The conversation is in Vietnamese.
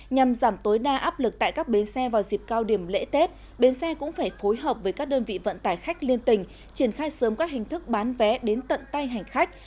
nhằm giảm tối đa áp lực tại các bến xe vào dịp cao điểm lễ tết bến xe cũng phải phối hợp với các đơn vị vận tải khách liên tình triển khai sớm các hình thức bán vé đến tận tay hành khách